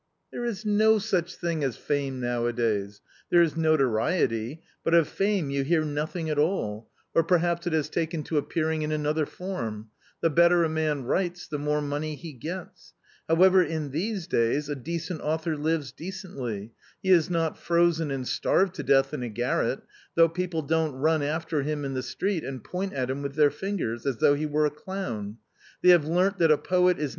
"There is no such thing as fame nowadays. There is notoriety, but of fame you hear nothing at all, or perhaps it has taken to appearing in another fp nn; the bette r a man writes the more money he gets, jllbwever in these I days* a decent author lives decently, he is not frozen and \ starved to death in a garret, though people don't run after \him in the street and point at him with their fingers, as though he were a clown ; they have, learnt that "a poet is